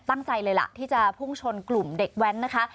ตั้งใจเลยล่ะที่จะพุ่งชนกลุ่มเด็กแว้นนะคะ